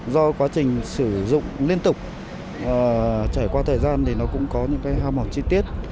do quá trình sử dụng liên tục trải qua thời gian thì nó cũng có những cái hao mọc chi tiết